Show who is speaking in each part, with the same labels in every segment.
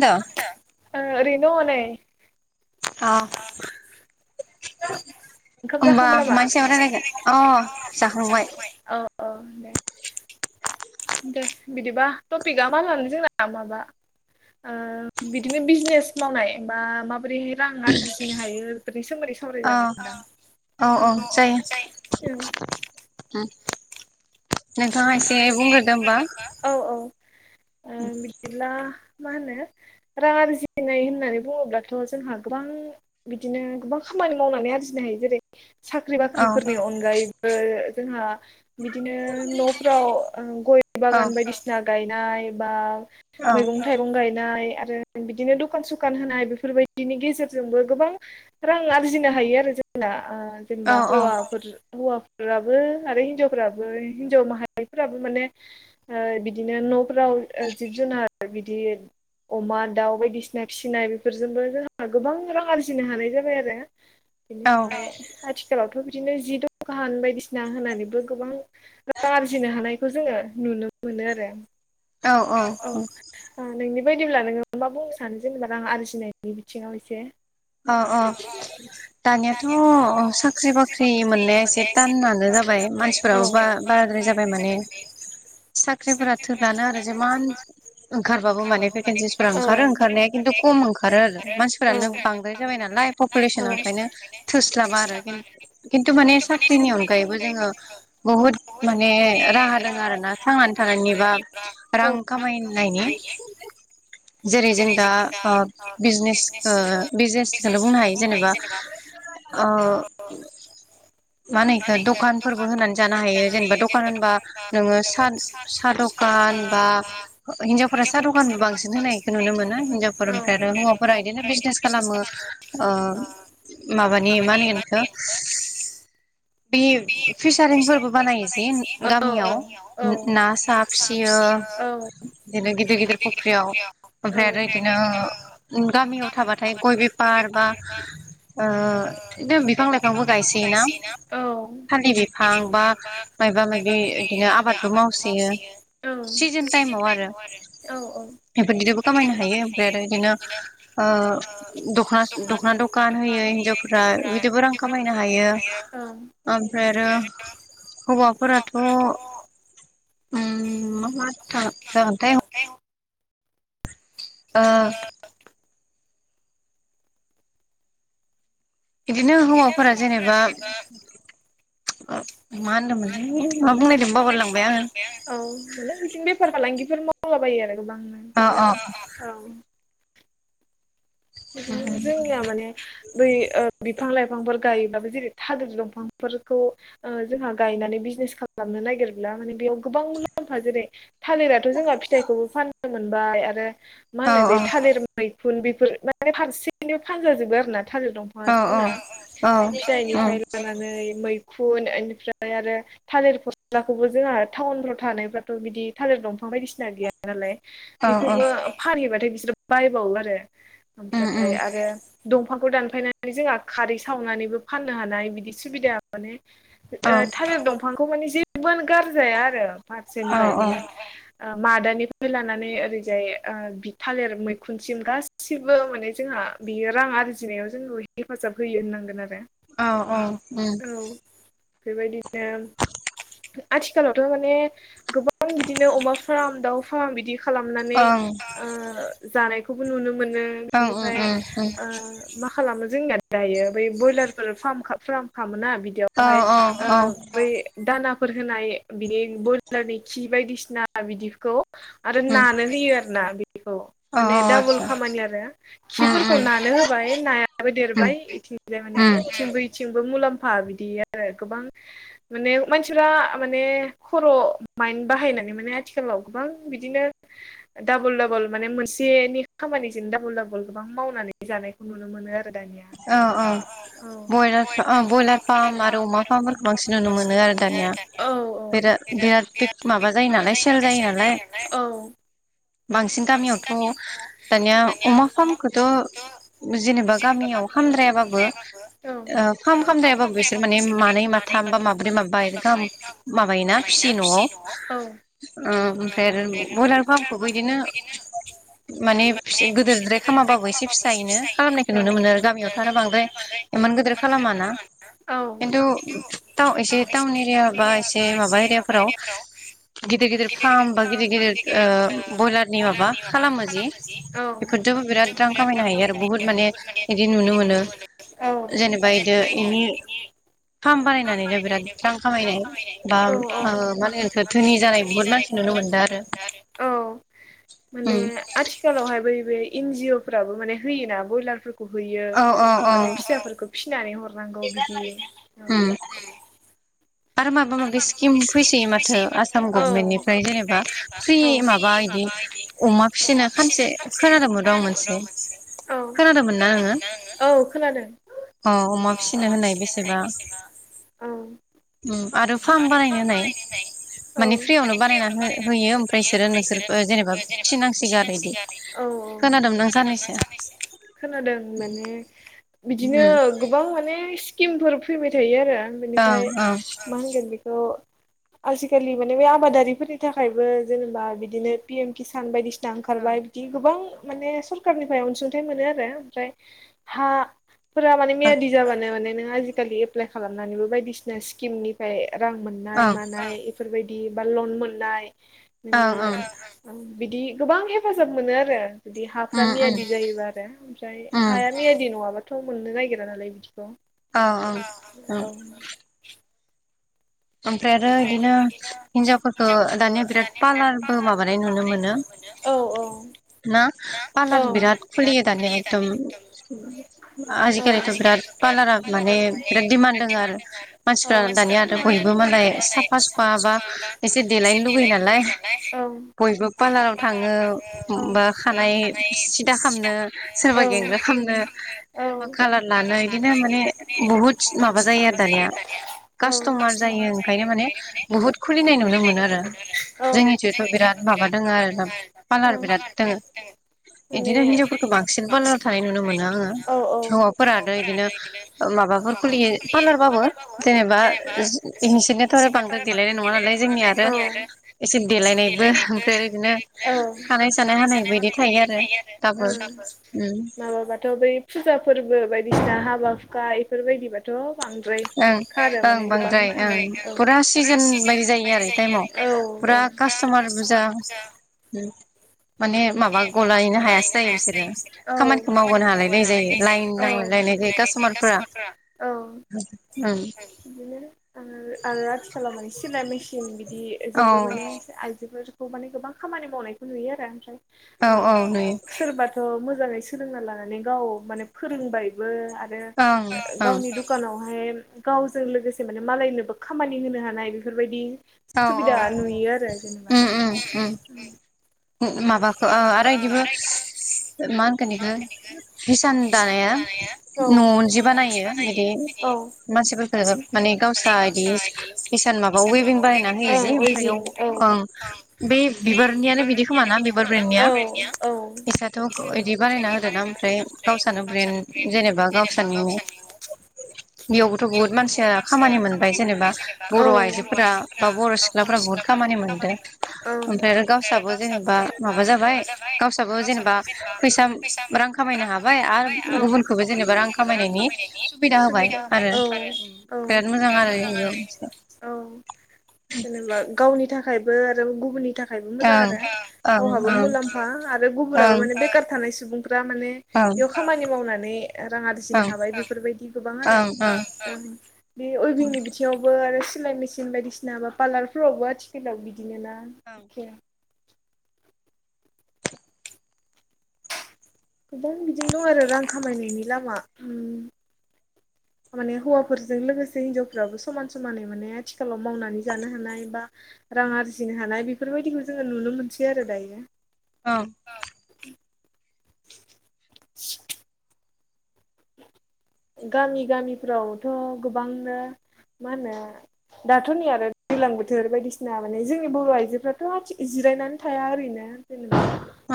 Speaker 1: खोनादों
Speaker 2: [inaudible] ओरिन न नै
Speaker 1: औ
Speaker 2: ओंखाम
Speaker 1: होमबा
Speaker 2: जाखांबाय नामा
Speaker 1: मान साब रायलायगोन अ जाखांबाय
Speaker 2: औ औ दे दे बिदिबा टपिकआ मा लानो जोंना आ माबा ओ बिदिनो बिजनेस मावनाय बा माबोरैह रां आरजिनो हायो बेफोरनि सोमोन्दै सावराय
Speaker 1: अ
Speaker 2: जागोन दां अ
Speaker 1: औ औ जायो उ
Speaker 2: उ नोंथाङा एसे बुंग्रोदो होनबा औ औ बिदिब्ला मा होनो रां आरजिनाय होननानै बुङोब्लाथ जोंहा गोबां बिदिनो गोबां खाम खामानि मावनानै आरजिनो हायो जेरै साख्रि
Speaker 1: औ
Speaker 2: बाख्रिफोरनि अनगायैबो जोंहा बिदिनो न'फ्राव गय
Speaker 1: औ
Speaker 2: बागान बायदिसिना गायनाय बा
Speaker 1: औ
Speaker 2: मैगं थाइगं गायनाय आरो बिदिनो दकान सकान होनाय बेफोरबायदिनि गेजेरजोंबो गोबां रां आरजिनो हायो आरो। जोंना ओ
Speaker 1: औ
Speaker 2: जेनबा हौवाफोर हौवाफोराबो आरो हिनजावफोराबो हिनजाव माहारिफोराबो माने बिदिनो ओ न'फोराव जिब जुनार बिदि अमा दाउ बायदिसिना फिसिनाय बेफोरजोंबो जोंहा गोबां रां आरजिनो हानाय जाबाय आरो।
Speaker 1: औ
Speaker 2: बेनिफ्राय आथिखालावथ' बिदिनो जि दखान बायदिसिना होनानैबो गोबां रां आरजिनो हानायखौ जोङो नुनो मोनो आरो औ नोंनि बायदिब्ला नोङो मा बुंनो सानो जेनेबा आं आरजिनायनि बिथिङाव एसे?
Speaker 1: अ अ दानियाथ' साख्रि बाख्रि मोननाया एसे थानानो जाबाय मानसिफोराबो ब बाराद्राय जाबाय माने। साख्रिफोरा थोब्लानो आरो जेमान ओंखारबाबो माने भेकेन्सिसफोरा ओंखारो ओंखारनाया खिन्थु खम ओंखारो आरो मानसिफोरानो बांद्राय जाबाय नालाय पपुलेसना ओंखायनो थोस्लाबा आरो खिन्थु माने साख्रिनि अनगायै बो जोङो बुहुद माने राहा दङ आरो ना थांनानै थानायनि बा रां खामायनायनि। जेरै जों दा ओ बिजनेस ओ बिजनेसखौनो' बुंनो हायो जेनेबा ओ मा होनो बेखौ दखानफोरबो होनानै जानो हा हायो जेनेबा दखान होनबा नोङो सा दखान बा हिनजावफोरा सा द दखान बांसिन होनायखौ नुनो मोनो हिनजावफोरनिफ्राय आरो हौवाफोरा बिदिनो बिजिनेस खालामो ओ माबानि मा होनगोन बेखौ बे फिसारिं फोरबो बानायोजे गामियाव ना
Speaker 2: नुसियो
Speaker 1: सा फिसियो बिदिनो गिदिर गिदिर फख्रियाव ओमफ्राय आरो इदिनो गामियाव थाबाथाय ग गय बेपार बा ओ इदिनो बिफां लाइफांबो गायसोयोना हालदै बिफां बा मायबा माबि बिदिनो आबादबो मावसोयो
Speaker 2: औ
Speaker 1: सिजोन टाइमाव आरो।
Speaker 2: औ
Speaker 1: बेफोर गिदिबो खामायनो हायो ओमफ्राय आरो बिदिनो ओ दख दख'ना दखान होयो हिनजावफोरा बिदिबो रां खामायनो हायो।
Speaker 2: औ
Speaker 1: ओमफ्राय आरो हौवाफोराथ' उम मा मा जागोनथाय ओ इदिनो हौवाफोरा जेनेबा मा होनदोंमोनलै मा बुंनोनायदोंमोन बावगार लांबाय आङो।
Speaker 2: माने बिदिनो बेफार फालांगिफोर मावलाबायो आरो गोबांनो
Speaker 1: औ
Speaker 2: बिदि औ। बिदिनो जोंनिया माने बै ओ बिफां लाइफांफोर गायोब्लाबो जेरै थालिर दंफांफोरखौ जोंहा गायनानै बिजिनेस खालाम नो नागिरब्ला माने बेयाव गोबां मुलाम्फा जेरै थालिराथ' जोंहा फिथाइखौबो फाननो मोनबाय आरो। मा
Speaker 1: औ
Speaker 2: होनो बे थालिर मैखुन बेफोर माने फारसेनिबो फानजाजोबो आरो ना। थालिर दंफाङा
Speaker 1: औ
Speaker 2: जोंना
Speaker 1: औ
Speaker 2: फिथाइनिफ्राय लानानै मै खुन ओनिफ्राय आरो थालिर फस्लाखौबो जोंहा टाउनफ्राव थानायफ्राथ' बिदि थालिर दंफां बायदिसिना गैया नालाय।
Speaker 1: औ
Speaker 2: बेखौबो फानहैबाथाय बिसोरो बायबावो आरो ओमफ्राय आरो दं फांखौ दानफायनानै जोंहा खारै सावनानैबो फाननो हानाय बिदि सुबिदाया माने ओ
Speaker 1: औ
Speaker 2: थालिर दंफांखौ माने जेबोनो गारजाया आरो
Speaker 1: औ
Speaker 2: फारसेनिफ्राय
Speaker 1: औ
Speaker 2: माने मादानिफ्राय लानानै ओरैजाय बि थालिर मैखुनसिम गासै गासिबो माने जोंहा बियो रां आरजिनायाव जोंखौ हेफाजाब होयो होननांगोन आरो।
Speaker 1: औ औ उम।
Speaker 2: औ बेबायदिनो आथिखालावथ' माने गोबां बिदिनो अमा फार्म दाउ फार्म बिदि खालामनानै ओ जानायखौबो नुनो मोनो
Speaker 1: ओं
Speaker 2: बिनिफाय
Speaker 1: ओं
Speaker 2: ओ माखालामो जोंनिया दायो बै बयलारफोर फार्म फ्राम खलामोना
Speaker 1: औ
Speaker 2: बिदियावहाय
Speaker 1: औ औ
Speaker 2: बै दाना फोर होनाय बिदि ब्रयलारनि खि बायदिसिना बिदिखौ आरो
Speaker 1: उम
Speaker 2: नानो होयो आरो ना बेखौ
Speaker 1: औ
Speaker 2: माने
Speaker 1: औ
Speaker 2: डाबुल
Speaker 1: आतसा
Speaker 2: खामानि आरो
Speaker 1: उम
Speaker 2: खिफोरखौ
Speaker 1: उम
Speaker 2: नानो होबाय नायाबो
Speaker 1: उम
Speaker 2: देरबाय बिथिंजाय माने इथिंबो इथिंबो मुलाम फा बिदि आरो गोबां माने मानसिफ मान खर' माइड बाहाय माने आथिखालाव गोबां बिदिनो डाबल डाबल माने मोनसे खामानिजों डाबल डाबल गोबां मावनानै जानायखौ नुनो मोनो आरो। दानिया औ
Speaker 1: ब्रयलार फार्म आरो अमा फार्मफोरखौ बांसिन नुनो मोनो आरो दानिया बिराद बिराद बिग माबा जायो नालाय सेल जायो नालाय
Speaker 2: औ औ औ
Speaker 1: बांसिन गामियावथ' दानिया अमा फार्मखौथ' जेनेबा गामियाव खामद्रायाबाबो
Speaker 2: औ
Speaker 1: ओ फार्म खालामद्रायाबाबो बिसोर माने मानै मा थाम बा माब्रै माबा गाहाम माबायोना फिसियो न'आव।
Speaker 2: औ
Speaker 1: ओमफ्राय आरो बयलार फार्मखौबो इदिनो माने गोदोरद्राय खामाबाबो एसे फिसायैनो खालामनायखो नुनो मोनो आरो गामियावथ' बांद्राय एमान गोदोर खालामा ना खिन्थु टाउ एसे टाउन एरिया बा एसे माबा एरियाफोराव गिदिर गिदिर फार्म बा गिदिर गिदिर ओ बयलारनि माबा खालामो जि बेफोरजोंबो बिराद रां खामायनो हायो आरो बुहुत माने बिदि नुनो मोनो।
Speaker 2: औ
Speaker 1: जेनेबा इदो इनि फार्म बानायनानैनो बिराद रां खामायनाय बा ओ मा होनो इखो धोनि जानाय बुहुत मानसि नु नो मोनदो आरो।
Speaker 2: औ
Speaker 1: उम
Speaker 2: माने हाय बै इनजिअफोराबो माने होयोना ब्रयलारफो हैयो ओ
Speaker 1: औ औ
Speaker 2: ओ
Speaker 1: औ
Speaker 2: माने फिसाफोरखौ फिसिनानै हरनांगौ बिदि औ
Speaker 1: उम
Speaker 2: औ
Speaker 1: आरो माबा माबि
Speaker 2: औ
Speaker 1: स्किम फैसोयो माथो आसाम गभमेन्टनिफ्राय जेनेबा फ्रि माबा इदि अमा फिसिनो खानसे खोनादोंमोन र' आं मोनसे खोनादोंमोन ना नोङो
Speaker 2: औ खोनादों।
Speaker 1: अ अमा फिसिनो होनाय बेसेबा
Speaker 2: औ
Speaker 1: उम आरो फार्म बानायनो होनाय माने फ्रियावनो बानायना हो होयो ओमफ्राय इसोरो नोंसोर ओ जेने फिनांसिगो आरो इदि
Speaker 2: औ
Speaker 1: खोनादोमोन आं सानैसो।
Speaker 2: खोनादों माने
Speaker 1: [unintelligible]
Speaker 2: बिदिनो गोबां माने स्किमफोर फैबाय थायो आरो।
Speaker 1: ओं ओं
Speaker 2: जों बेखौ आजिखालि माने बे आबादारिफोरनि थाखायबो जेनेबा बिदिनो पि एम किसान बायदिसि ओंखारबाय बिदि गोबां माने सरखारनिफ्राय अनसुंथाइ मोनो आरो ओमफ्राय हा फोरा माने मियादि जाबानो माने नों आजिखालि एप्लााय खालामनानैबो बायदिसिना स्किमनिफाय रां मोननाय
Speaker 1: ओं
Speaker 2: मानाय इफोरबायदि बा लन मोननाय
Speaker 1: ओं ओं
Speaker 2: नोङो बिदि गोबां हेफाजाब मोनो आरो। जुदि हाफ्रा
Speaker 1: उम उम
Speaker 2: मियादि जायोबा आरो ओमफ्राय
Speaker 1: उम
Speaker 2: हाया मियादि नङाबाथ' मोननो नागिरा नालाय बिदिखौ।
Speaker 1: औ ओं ओं
Speaker 2: औ
Speaker 1: ओमफ्राय आरो इदिनो हिनजावफोरखो दानिया बिराद पालारबो माबानाय नुनो मोनो।
Speaker 2: औ औ
Speaker 1: [unintelligible] ना
Speaker 2: औ
Speaker 1: पालार बिराद खुलियो दानिया एकदम
Speaker 2: दाना
Speaker 1: आजिखालिथ' बिराद पालारा माने बिराद दिमान दोङो आरो मानसिफ्रा दानिया बयबो मालाय सा फसुफा बा एसे देलायनो लुुबैयो नालाय बयबो पालाराव थाङो खानाय सिदा खालामनो सोरबा गेंग्रा खनो
Speaker 2: गावसोर
Speaker 1: सोरबा कालार लानो बिदिनो माने बुहुत माबा जायो आरो दानिया कास्टमार जायो ओंखायनो माने बुहुद खुलिनाय नुनो मोनो आरो जोंनिथिुयथ बिराद माबा दङ आरोना पालार बिराद दङो
Speaker 2: माने
Speaker 1: बिदिनो हिनजावफोरखौ बांसिन बालाराव थानाय नुनो मोनो आंङो
Speaker 2: बिदिनो
Speaker 1: हौवाफोरा थ इदिनो माबाफोर खुलियो पार्लार बाबो जेनेबा इ-इसिदेन थ आरो बांद्राय देलायनाय नङा नालाय जोंनि आरो एसे देलायनायबो ओमफ्राय बिदिनो खानाय सानाय हानाय बदि थायो आरो दाबोल
Speaker 2: ओमफ्राय माबाबाथ बै फुजा फोरबो बायदिसिना हाबा हुखा इफोरबायदिबाथ बांद्राय
Speaker 1: ओं
Speaker 2: खारो
Speaker 1: ओं
Speaker 2: माने गोबां
Speaker 1: बांद्राय ओं
Speaker 2: थाङो औ फुरा सिजोन बायदि
Speaker 1: आरो
Speaker 2: जायो
Speaker 1: टाइमाव
Speaker 2: आरो औ औ फुरा
Speaker 1: कास्ट'मार बुरजा
Speaker 2: कासटमार फुजा
Speaker 1: [inaudible] माने माबा गलायनो हायासो जायो बिसोरो
Speaker 2: औ
Speaker 1: खामानिखौ मावगनो हालायलायि जायो लाइन नांलायलायनाय
Speaker 2: [inaudible] कासटमारफोरा औ
Speaker 1: उम
Speaker 2: बिदिनो आरो आरो आथिखालाव माने सिलाय मेसिन बिदि
Speaker 1: औ
Speaker 2: जोंबो माने आइजोफोर गोबां खामानि मावनायखौ नुयो आरो ओमफ्राय ओ औ औ सोरबाथ मो मोजाङै सोलोंना लानानै गाव माने फोरोंबायबो आरो
Speaker 1: ओं ओं
Speaker 2: गावनि दुखानावहाय गावजों लोगोसे माने मालायनोबो खामानि होनो हानाय बेफोरबायदि
Speaker 1: औ औ
Speaker 2: सुबिदा नुयो आरो जेनेबा उम उम
Speaker 1: माबाखौ आरो बिदिबो मा होनखो बेखौ हिसान दानाया
Speaker 2: औ
Speaker 1: न जि बानायो बिदि
Speaker 2: औ
Speaker 1: मानसिफोरफोरखौ माने गावसा इदि इसान माबा उइभिं बायनानै हो
Speaker 2: औ
Speaker 1: जे ओमफ्राय एव
Speaker 2: अइभिं औ
Speaker 1: ओं बे बिबारनिनो बिदि खोमाना बेबार ब्रेन्डनिया इसआथ बिदि बानायना होदों ना ओमफ्राय गावसोरानो ब्रेन्ड जेनेबा गावस्रानिनो बेयावबोथ बुहुत मानसिया खामानि मोनबाय जेनेबा बर आइजोफोरा
Speaker 2: फोरा बर सिख्लाफोरा बुहुथ खामानि मोनबाय औ ओमफ्राय गावस्राबो जेनेबा माबा जाबाय गावस्राबो जेनेबा फैसा रां खामायनो हाबाय आरो गुबुनखौबो जेनेबा रां खामायनायनि सुबिदा होबाय औ औ आरो बिराद
Speaker 1: आरो
Speaker 2: मोजां
Speaker 1: बेनिबो मोनसे
Speaker 2: आरो औ
Speaker 1: [inaudible]
Speaker 2: जेनेबा गावनि थाखायबो आरो गुबुननि थाखायबो मोजां आरो ओं गावहाबो मुलाम्फा आरो गुबुनाबो
Speaker 1: ओं
Speaker 2: माने बेखार थानाय सुबुं फोरा माने
Speaker 1: ओं
Speaker 2: बेयाव खामानि मावनानै रां आरजिनो
Speaker 1: ओं
Speaker 2: हाबाय बेफोरबायदि गोबां आरो
Speaker 1: ओं ओं
Speaker 2: बे उइभिंनि बिथिङावबो आरो सिलाय मेसिन बायदिसिना बा पार्लारफोरावबो आथिखालाव बिदिनो ना एखे गोबां बिदिनो दं आरो रां खामायनायनि लामा उम माने हौवाफोरजों लोगोसे हिनजावफ्राबो समान समानै माने आथिखालाव मावनानै जानो हानाय बा रां आरजिनो हानाय बेफोरबायदिखौ जोंङो नुनो मोनसै आरो दायो
Speaker 1: ओं
Speaker 2: [inaudible]
Speaker 1: [inaudible]
Speaker 2: गामि गामिफ्रावथ गोबांनो मा होनो दाथ नै आरो दैज्लां बोथोर बायदिसिना माने जोंनि बर' आइजोफ्राथ जिरायनानै थाया ओरैनो जेनेबा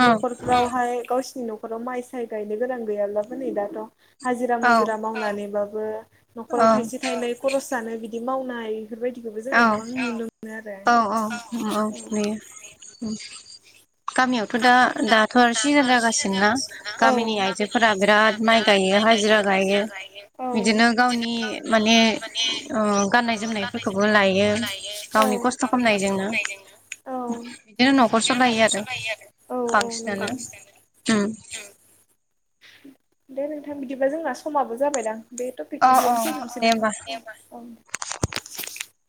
Speaker 1: ओं
Speaker 2: न'खरफ्रावहाय गावसिनि नखराव माइ साय गायनो गोनां गैयाब्लाबो नै दाथ हाजिरा
Speaker 1: औ
Speaker 2: मुजिरा मावनानैबाबो नखराव थाइसे
Speaker 1: औ
Speaker 2: थाइनै खरस जानो बिदि मावनाय बेफोरबायदिखौबो
Speaker 1: औ
Speaker 2: जोङो गोबां नुनो मोनो आरो
Speaker 1: औ औ औ नुयो गामियावथ' दा दाथ' आरो सिजोन जागासिनोना गामिनि आइजोफोरा बिराद माइ गाय यो हाजिरा गायो
Speaker 2: गायो
Speaker 1: बिदिनो गावनि माने ओ गाननाय जोमनायफोर
Speaker 2: औ औ औ
Speaker 1: खालामनायजोंनो बिदिनो न'खर सालायो आरो
Speaker 2: औ नंगौ
Speaker 1: बांसिनानो
Speaker 2: उम दे नोंथां बिदिबा जोंना समाबो जाबायदां बे
Speaker 1: अ अ
Speaker 2: टपिकखौ
Speaker 1: दे होमबा
Speaker 2: बेयावनो फोजोबसै नामा औ ओं